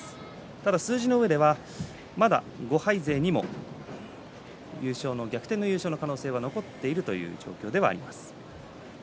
ただ数字のうえでは５敗勢にも逆転の優勝の可能性は残っているという状況ではあります。